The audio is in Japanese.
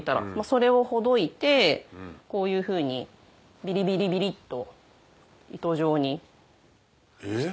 それをほどいてこういうふうにビリビリビリっと糸状にしたものを。